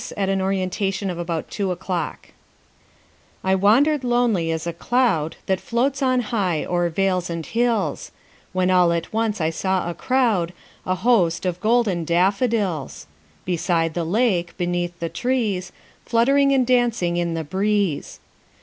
William Wordsworth I Wandered Lonely As a Cloud I WANDERED lonely as a cloud That floats on high o'er vales and hills, When all at once I saw a crowd, A host, of golden daffodils; Beside the lake, beneath the trees, Fluttering and dancing in the breeze.